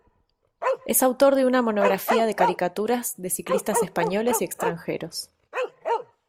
Es autor de una monografía de caricaturas de ciclistas españoles y extranjeros.